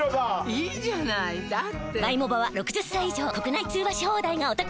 いいじゃないだってあ！